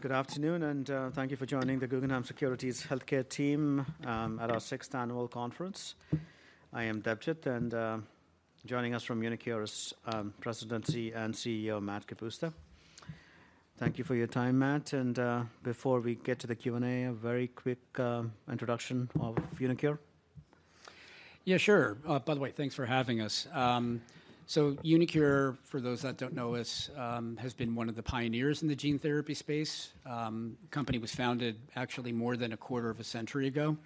Good afternoon, and thank you for joining the Guggenheim Securities Healthcare team at our sixth annual conference. I am Debjit, and joining us from uniQure is President and CEO Matt Kapusta. Thank you for your time, Matt, and before we get to the Q&A, a very quick introduction of uniQure. Yeah, sure. By the way, thanks for having us. So uniQure, for those that don't know us, has been one of the pioneers in the gene therapy space. The company was founded actually more than a quarter of a century ago,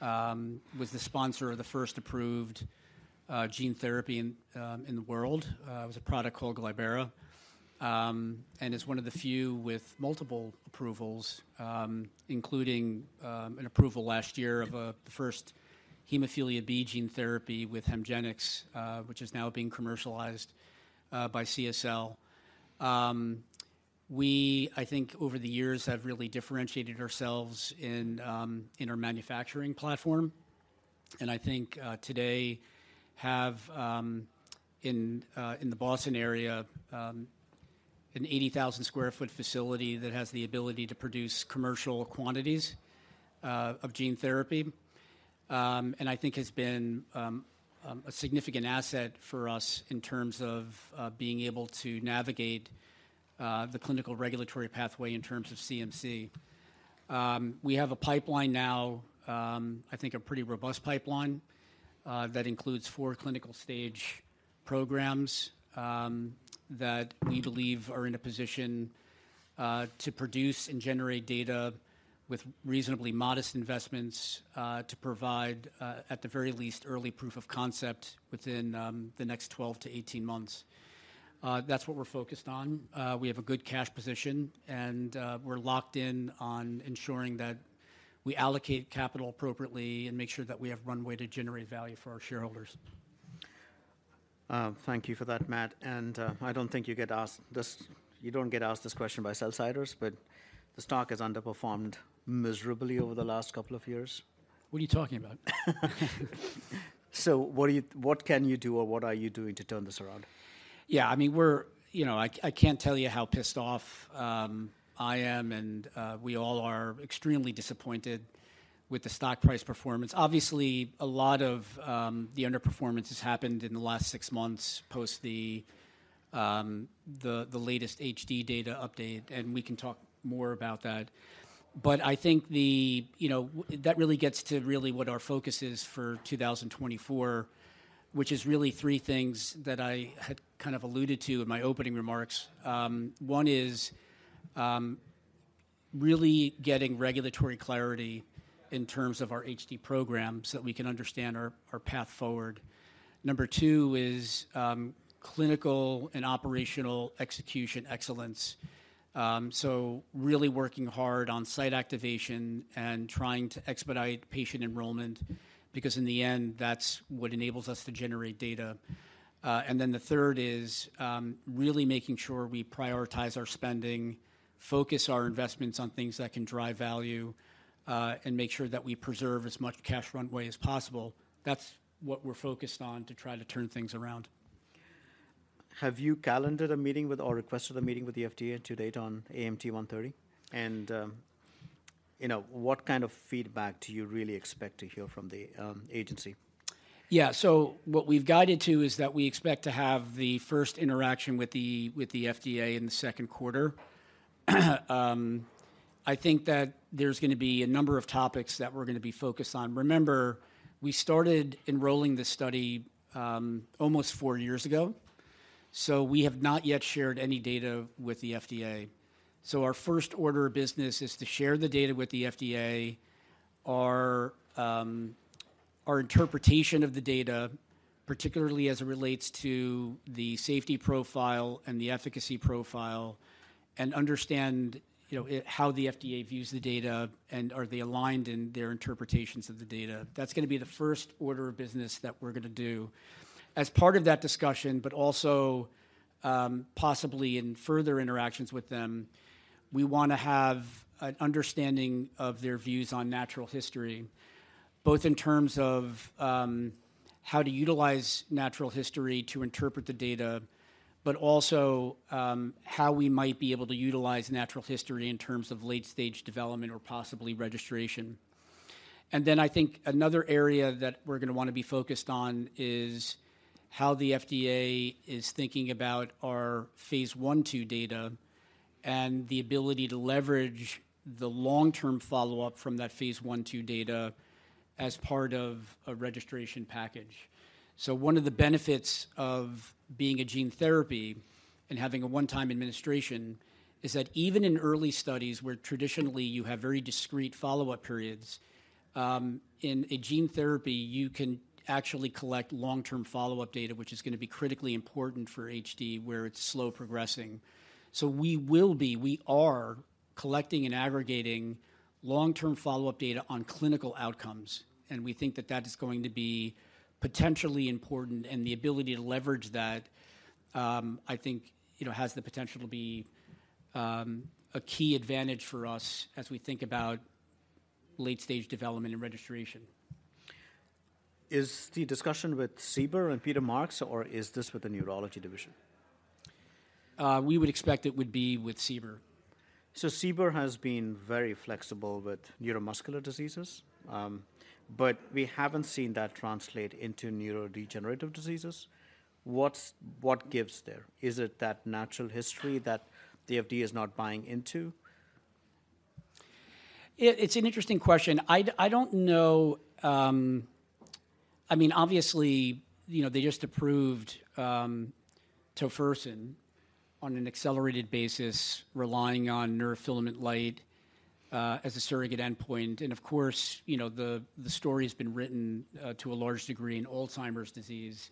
was the sponsor of the first approved gene therapy in the world. It was a product called Glybera, and is one of the few with multiple approvals, including an approval last year of the first hemophilia B gene therapy with HEMGENIX, which is now being commercialized by CSL. We, I think, over the years have really differentiated ourselves in our manufacturing platform, and I think today have in the Boston area an 80,000-sq-ft facility that has the ability to produce commercial quantities of gene therapy. I think has been a significant asset for us in terms of being able to navigate the clinical regulatory pathway in terms of CMC. We have a pipeline now, I think a pretty robust pipeline, that includes four clinical stage programs, that we believe are in a position to produce and generate data with reasonably modest investments, to provide at the very least early proof of concept within the next 12-18 months. That's what we're focused on. We have a good cash position, and we're locked in on ensuring that we allocate capital appropriately and make sure that we have runway to generate value for our shareholders. Thank you for that, Matt. I don't think you get asked this question by sell-siders, but the stock has underperformed miserably over the last couple of years. What are you talking about? So what can you do, or what are you doing, to turn this around? Yeah, I mean, we're, you know, I can't tell you how pissed off I am, and we all are extremely disappointed with the stock price performance. Obviously, a lot of the underperformance has happened in the last six months post the latest HD data update, and we can talk more about that. But I think, you know, that really gets to what our focus is for 2024, which is really three things that I had kind of alluded to in my opening remarks. One is really getting regulatory clarity in terms of our HD program so that we can understand our path forward. Number two is clinical and operational execution excellence, so really working hard on site activation and trying to expedite patient enrollment because, in the end, that's what enables us to generate data. And then the third is, really making sure we prioritize our spending, focus our investments on things that can drive value, and make sure that we preserve as much cash runway as possible. That's what we're focused on to try to turn things around. Have you calendared a meeting with or requested a meeting with the FDA to date on AMT-130? And, you know, what kind of feedback do you really expect to hear from the agency? Yeah, so what we've guided to is that we expect to have the first interaction with the FDA in the second quarter. I think that there's going to be a number of topics that we're going to be focused on. Remember, we started enrolling this study almost four years ago, so we have not yet shared any data with the FDA. So our first order of business is to share the data with the FDA, our interpretation of the data, particularly as it relates to the safety profile and the efficacy profile, and understand, you know, how the FDA views the data and are they aligned in their interpretations of the data. That's going to be the first order of business that we're going to do. As part of that discussion, but also, possibly in further interactions with them, we want to have an understanding of their views on natural history, both in terms of, how to utilize natural history to interpret the data, but also, how we might be able to utilize natural history in terms of late-stage development or possibly registration. And then I think another area that we're going to want to be focused on is how the FDA is thinking about our Phase I-II data and the ability to leverage the long-term follow-up from that Phase I-II data as part of a registration package. So one of the benefits of being a gene therapy and having a one-time administration is that even in early studies where traditionally you have very discrete follow-up periods, in a gene therapy you can actually collect long-term follow-up data, which is going to be critically important for HD where it's slow progressing. So we are collecting and aggregating long-term follow-up data on clinical outcomes, and we think that that is going to be potentially important, and the ability to leverage that, I think, you know, has the potential to be a key advantage for us as we think about late-stage development and registration. Is the discussion with CBER and Peter Marks, or is this with the neurology division? We would expect it would be with CBER. So CBER has been very flexible with neuromuscular diseases, but we haven't seen that translate into neurodegenerative diseases. What gives there? Is it that natural history that the FDA is not buying into? It's an interesting question. I don't know, I mean, obviously, you know, they just approved tofersen on an accelerated basis relying on neurofilament light as a surrogate endpoint. And of course, you know, the story has been written to a large degree in Alzheimer's disease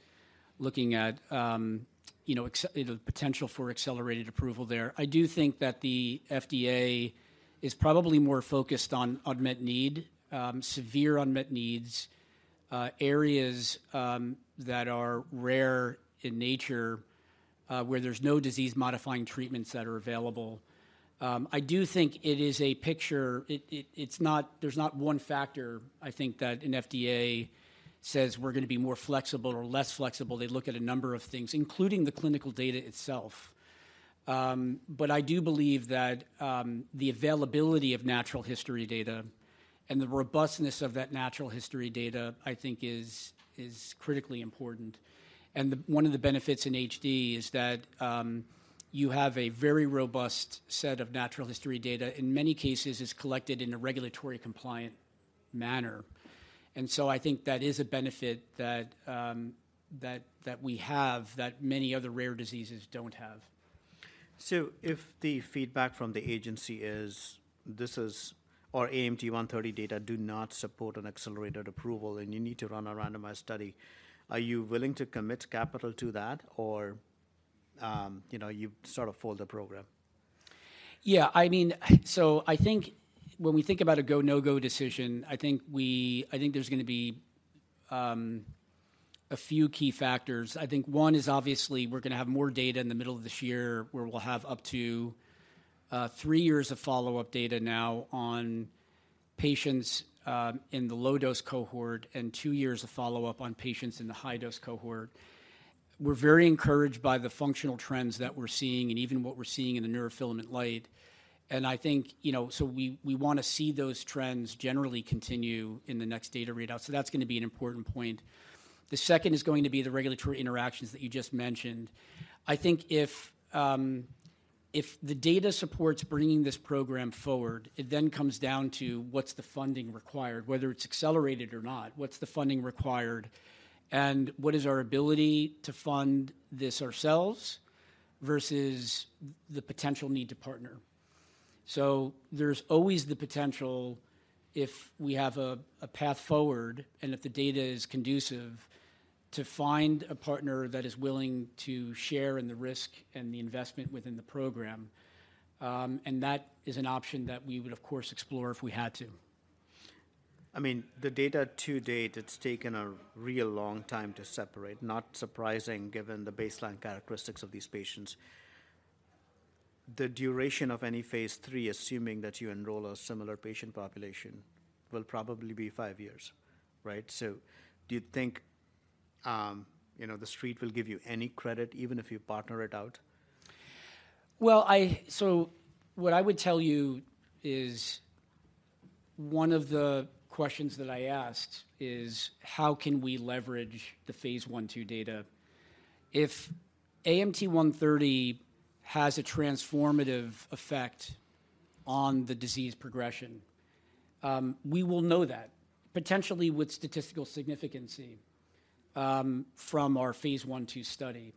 looking at, you know, you know, the potential for accelerated approval there. I do think that the FDA is probably more focused on unmet need, severe unmet needs, areas that are rare in nature, where there's no disease-modifying treatments that are available. I do think it is a picture. It's not. There's not one factor, I think, that the FDA says we're going to be more flexible or less flexible. They look at a number of things, including the clinical data itself. But I do believe that the availability of natural history data and the robustness of that natural history data, I think, is critically important. One of the benefits in HD is that you have a very robust set of natural history data. In many cases, it's collected in a regulatory-compliant manner. And so I think that is a benefit that we have that many other rare diseases don't have. So if the feedback from the agency is this is our AMT-130 data do not support an accelerated approval and you need to run a randomized study, are you willing to commit capital to that, or, you know, you sort of fold the program? Yeah, I mean, so I think when we think about a go-no-go decision, I think there's going to be a few key factors. I think one is obviously we're going to have more data in the middle of this year where we'll have up to three years of follow-up data now on patients in the low-dose cohort and two years of follow-up on patients in the high-dose cohort. We're very encouraged by the functional trends that we're seeing and even what we're seeing in the neurofilament light. And I think, you know, so we want to see those trends generally continue in the next data readout. So that's going to be an important point. The second is going to be the regulatory interactions that you just mentioned. I think if the data supports bringing this program forward, it then comes down to what's the funding required, whether it's accelerated or not, what's the funding required, and what is our ability to fund this ourselves versus the potential need to partner. So there's always the potential, if we have a path forward and if the data is conducive, to find a partner that is willing to share in the risk and the investment within the program. And that is an option that we would, of course, explore if we had to. I mean, the data to date, it's taken a real long time to separate, not surprising given the baseline characteristics of these patients. The duration of any Phase III, assuming that you enroll a similar patient population, will probably be five years, right? So do you think, you know, the Street will give you any credit even if you partner it out? Well, so what I would tell you is one of the questions that I asked is how can we leverage the Phase I-II data? If AMT-130 has a transformative effect on the disease progression, we will know that, potentially with statistical significance, from our Phase I-II study.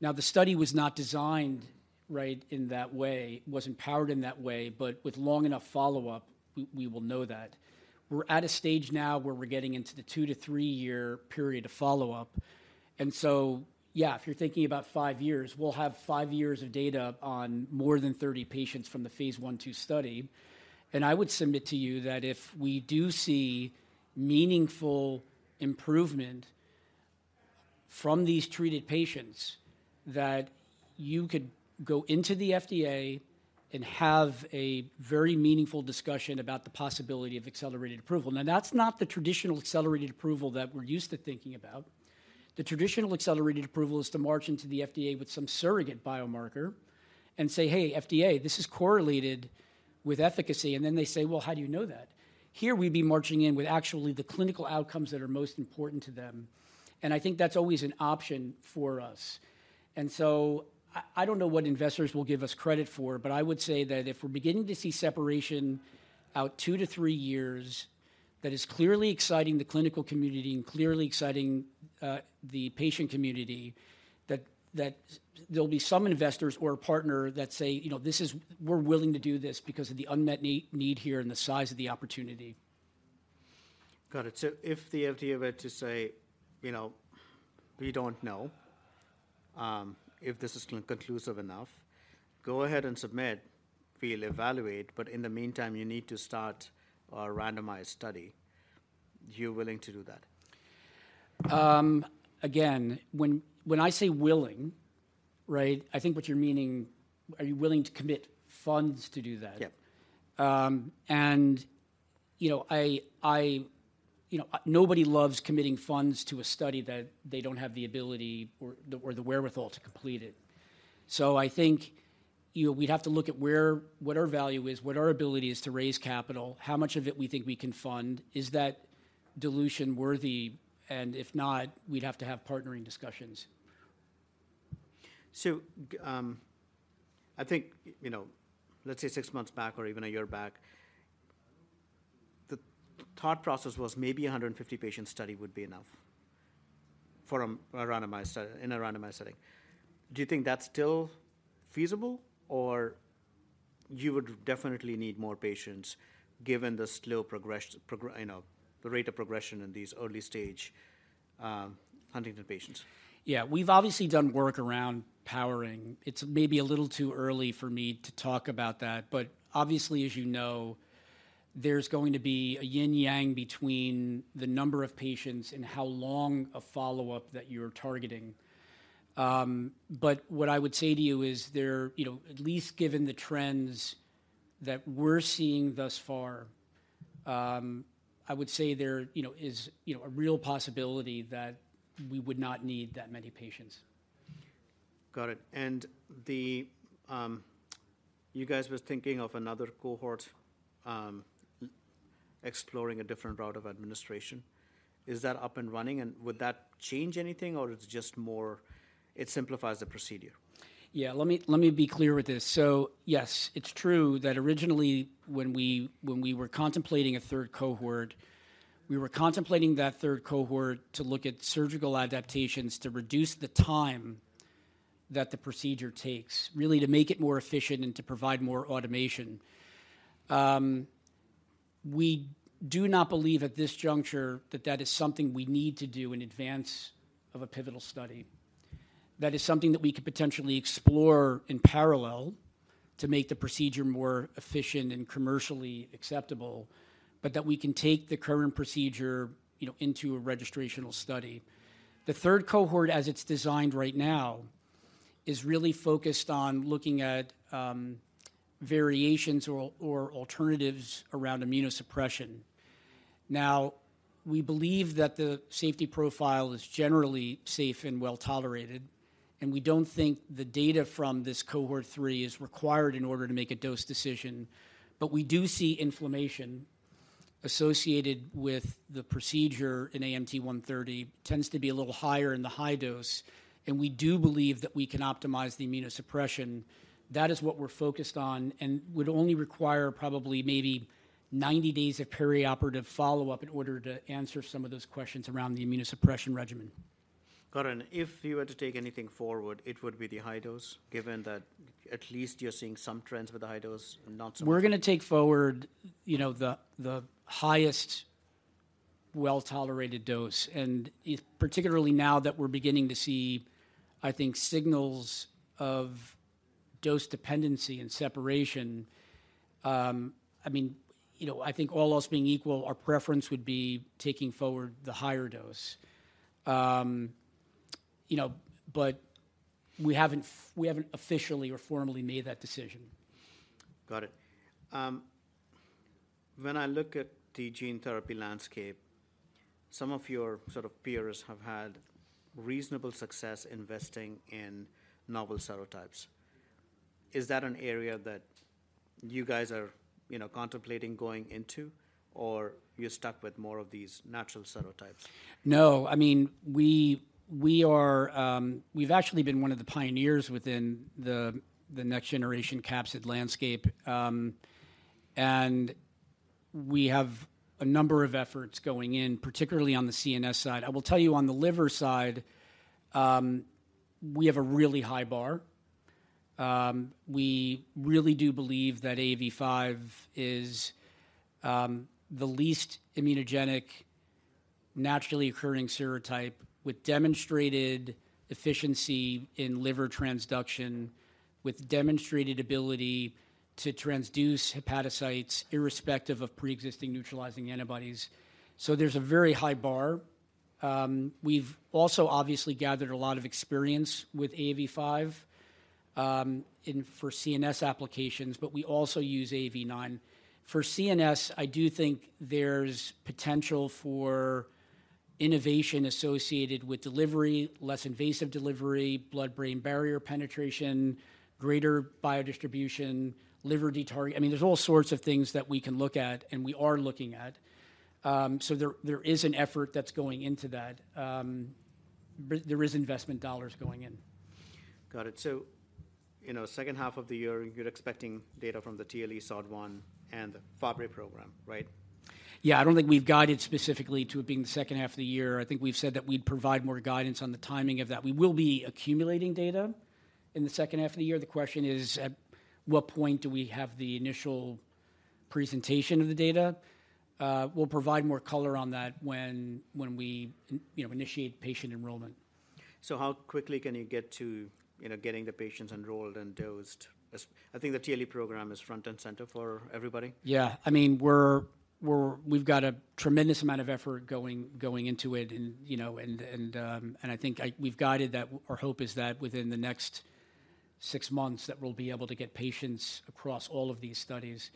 Now, the study was not designed right in that way, wasn't powered in that way, but with long enough follow-up, we will know that. We're at a stage now where we're getting into the two to three year period of follow-up. And so, yeah, if you're thinking about five years, we'll have five years of data on more than 30 patients from the Phase I-II study. I would submit to you that if we do see meaningful improvement from these treated patients, that you could go into the FDA and have a very meaningful discussion about the possibility of accelerated approval. Now, that's not the traditional accelerated approval that we're used to thinking about. The traditional accelerated approval is to march into the FDA with some surrogate biomarker and say, "Hey, FDA, this is correlated with efficacy," and then they say, "Well, how do you know that?" Here, we'd be marching in with actually the clinical outcomes that are most important to them. I think that's always an option for us. I don't know what investors will give us credit for, but I would say that if we're beginning to see separation out two to three years that is clearly exciting the clinical community and clearly exciting the patient community, that there'll be some investors or a partner that say, you know, "This is we're willing to do this because of the unmet need here and the size of the opportunity. Got it. So if the FDA were to say, you know, "We don't know if this is conclusive enough, go ahead and submit. We'll evaluate, but in the meantime, you need to start a randomized study," are you willing to do that? Again, when I say willing, right, I think what you're meaning is, are you willing to commit funds to do that? Yep. You know, I, you know, nobody loves committing funds to a study that they don't have the ability or the wherewithal to complete it. So I think, you know, we'd have to look at where what our value is, what our ability is to raise capital, how much of it we think we can fund. Is that dilution worthy? And if not, we'd have to have partnering discussions. So, I think, you know, let's say six months back or even a year back, the thought process was maybe a 150-patient study would be enough for a randomized study in a randomized setting. Do you think that's still feasible, or you would definitely need more patients given the slow progress you know, the rate of progression in these early-stage Huntington's patients? Yeah, we've obviously done work around powering. It's maybe a little too early for me to talk about that, but obviously, as you know, there's going to be a yin-yang between the number of patients and how long a follow-up that you're targeting. What I would say to you is there you know, at least given the trends that we're seeing thus far, I would say there you know, is, you know, a real possibility that we would not need that many patients. Got it. And you guys were thinking of another cohort, exploring a different route of administration. Is that up and running, and would that change anything, or it's just more it simplifies the procedure? Yeah, let me be clear with this. So yes, it's true that originally when we were contemplating a third cohort, we were contemplating that third cohort to look at surgical adaptations to reduce the time that the procedure takes, really to make it more efficient and to provide more automation. We do not believe at this juncture that that is something we need to do in advance of a pivotal study. That is something that we could potentially explore in parallel to make the procedure more efficient and commercially acceptable, but that we can take the current procedure, you know, into a registrational study. The third cohort, as it's designed right now, is really focused on looking at variations or alternatives around immunosuppression. Now, we believe that the safety profile is generally safe and well-tolerated, and we don't think the data from this cohort three is required in order to make a dose decision. But we do see inflammation associated with the procedure in AMT-130 tends to be a little higher in the high dose, and we do believe that we can optimize the immunosuppression. That is what we're focused on and would only require probably maybe 90 days of perioperative follow-up in order to answer some of those questions around the immunosuppression regimen. Got it. And if you were to take anything forward, it would be the high dose, given that at least you're seeing some trends with the high dose and not so much? We're going to take forward, you know, the highest well-tolerated dose. And particularly now that we're beginning to see, I think, signals of dose dependency and separation, I mean, you know, I think all else being equal, our preference would be taking forward the higher dose. You know, but we haven't officially or formally made that decision. Got it. When I look at the gene therapy landscape, some of your sort of peers have had reasonable success investing in novel serotypes. Is that an area that you guys are, you know, contemplating going into, or you're stuck with more of these natural serotypes? No, I mean, we've actually been one of the pioneers within the next-generation capsid landscape. And we have a number of efforts going in, particularly on the CNS side. I will tell you, on the liver side, we have a really high bar. We really do believe that AAV5 is the least immunogenic naturally occurring serotype with demonstrated efficacy in liver transduction, with demonstrated ability to transduce hepatocytes irrespective of preexisting neutralizing antibodies. So there's a very high bar. We've also obviously gathered a lot of experience with AAV5 for CNS applications, but we also use AAV9. For CNS, I do think there's potential for innovation associated with delivery, less invasive delivery, blood-brain barrier penetration, greater biodistribution, liver detargeting. I mean, there's all sorts of things that we can look at, and we are looking at. So there is an effort that's going into that. There is investment dollars going in. Got it. So, you know, second half of the year, you're expecting data from the TLE, SOD1 and the Fabry program, right? Yeah, I don't think we've guided specifically to it being the second half of the year. I think we've said that we'd provide more guidance on the timing of that. We will be accumulating data in the second half of the year. The question is, at what point do we have the initial presentation of the data? We'll provide more color on that when we, you know, initiate patient enrollment. So how quickly can you get to, you know, getting the patients enrolled and dosed? I think the TLE program is front and center for everybody. Yeah, I mean, we're, we've got a tremendous amount of effort going into it and, you know, and I think we've guided that our hope is that within the next six months we'll be able to get patients across all of these studies.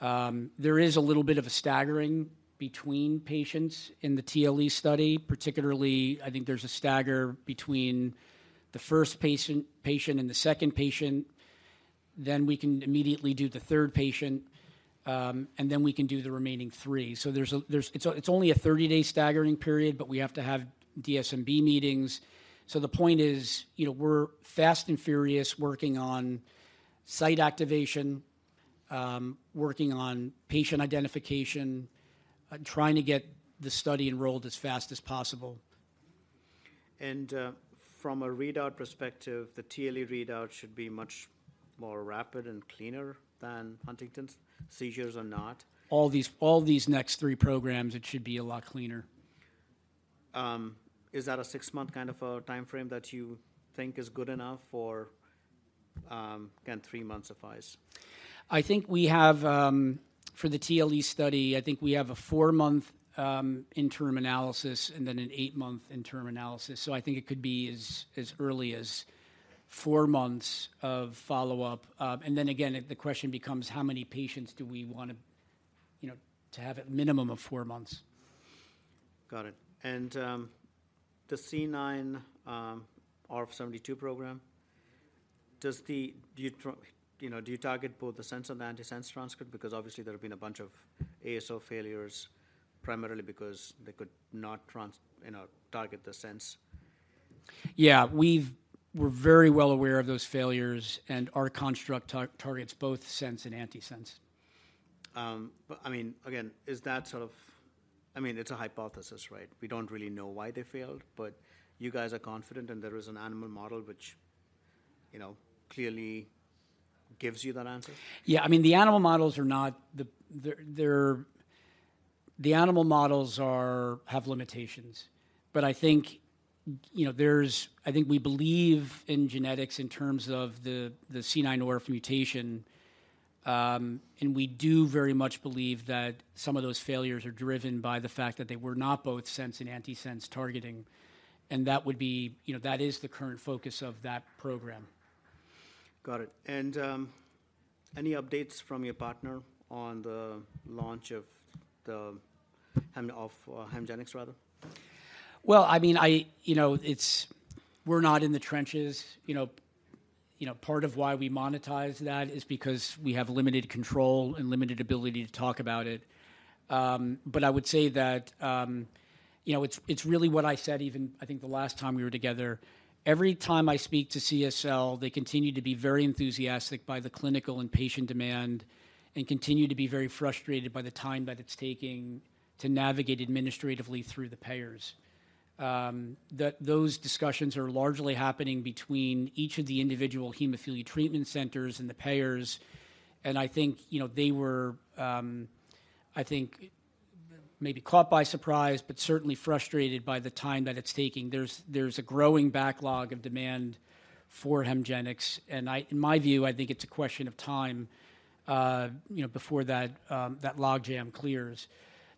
There is a little bit of a staggering between patients in the TLE study, particularly I think there's a stagger between the first patient and the second patient. Then we can immediately do the third patient, and then we can do the remaining three. So there's it's only a 30-day staggering period, but we have to have DSMB meetings. So the point is, you know, we're fast and furious working on site activation, working on patient identification, trying to get the study enrolled as fast as possible. From a readout perspective, the TLE readout should be much more rapid and cleaner than Huntington's seizures are not? All these next three programs, it should be a lot cleaner. Is that a six-month kind of a time frame that you think is good enough, or, can three months suffice? I think we have, for the TLE study, I think we have a four-month interim analysis and then an eight-month interim analysis. So I think it could be as, as early as four months of follow-up. And then again, the question becomes, how many patients do we want to, you know, to have at minimum of four months? Got it. And the C9orf72 program, you know, do you target both the sense and the antisense transcript? Because obviously there have been a bunch of ASO failures, primarily because they could not, you know, target the sense. Yeah, we're very well aware of those failures, and our construct targets both sense and antisense. But I mean, again, is that sort of I mean, it's a hypothesis, right? We don't really know why they failed, but you guys are confident and there is an animal model which, you know, clearly gives you that answer? Yeah, I mean, the animal models are not. They have limitations. But I think, you know, I think we believe in genetics in terms of the C9orf72 mutation, and we do very much believe that some of those failures are driven by the fact that they were not both sense and antisense targeting. And that would be, you know, that is the current focus of that program. Got it. And any updates from your partner on the launch of HEMGENIX, rather? Well, I mean, you know, it's, we're not in the trenches. You know, you know, part of why we monetize that is because we have limited control and limited ability to talk about it. But I would say that, you know, it's, it's really what I said even I think the last time we were together. Every time I speak to CSL, they continue to be very enthusiastic by the clinical and patient demand and continue to be very frustrated by the time that it's taking to navigate administratively through the payers. That those discussions are largely happening between each of the individual hemophilia treatment centers and the payers. And I think, you know, they were, I think maybe caught by surprise, but certainly frustrated by the time that it's taking. There's a growing backlog of demand for HEMGENIX, and in my view, I think it's a question of time, you know, before that logjam clears.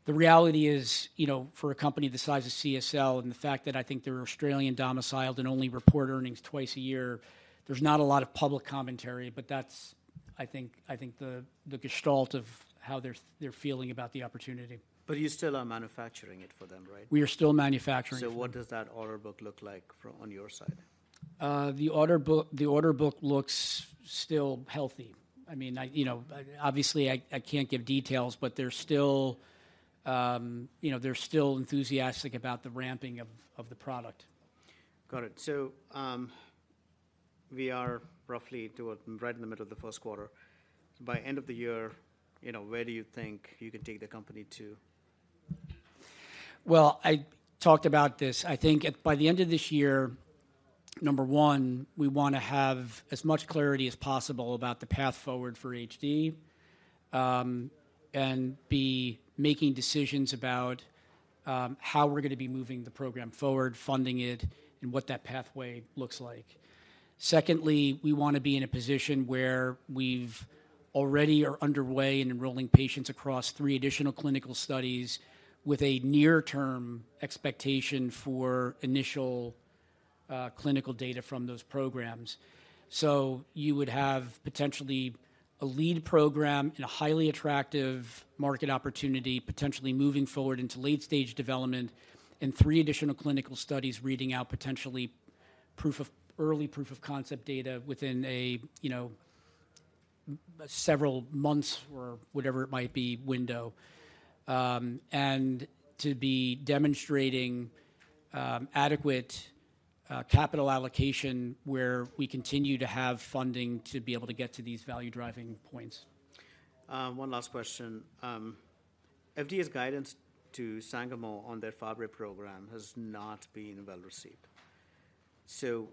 The reality is, you know, for a company the size of CSL and the fact that I think they're Australian domiciled and only report earnings twice a year, there's not a lot of public commentary, but that's, I think the gestalt of how they're feeling about the opportunity. But you still are manufacturing it for them, right? We are still manufacturing it. What does that order book look like from on your side? The order book looks still healthy. I mean, you know, obviously I can't give details, but there's still, you know, they're still enthusiastic about the ramping of the product. Got it. So, we are roughly toward right in the middle of the first quarter. By end of the year, you know, where do you think you can take the company to? Well, I talked about this. I think, by the end of this year, number one, we want to have as much clarity as possible about the path forward for HD, and be making decisions about how we're going to be moving the program forward, funding it, and what that pathway looks like. Secondly, we want to be in a position where we are already underway in enrolling patients across three additional clinical studies with a near-term expectation for initial clinical data from those programs. So you would have potentially a lead program in a highly attractive market opportunity, potentially moving forward into late-stage development, and three additional clinical studies reading out potentially proof of early proof of concept data within a you know several months or whatever it might be window. and to be demonstrating adequate capital allocation where we continue to have funding to be able to get to these value-driving points. One last question. FDA's guidance to Sangamo on their Fabry program has not been well-received. So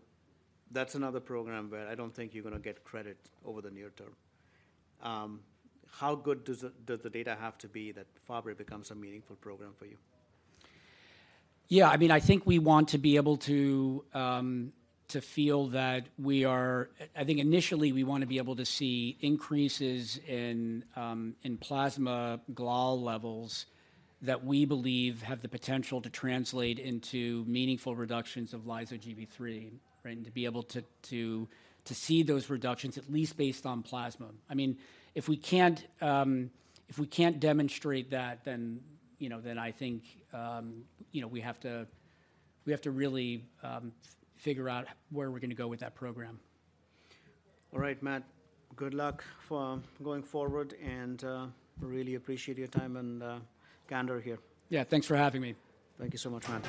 that's another program where I don't think you're going to get credit over the near term. How good does the data have to be that Fabry becomes a meaningful program for you? Yeah, I mean, I think we want to be able to feel that we are. I think initially we want to be able to see increases in plasma GLA levels that we believe have the potential to translate into meaningful reductions of lyso-Gb3, right, and to be able to see those reductions at least based on plasma. I mean, if we can't demonstrate that, then, you know, then I think, you know, we have to really figure out where we're going to go with that program. All right, Matt. Good luck for going forward, and really appreciate your time and candor here. Yeah, thanks for having me. Thank you so much, Matt.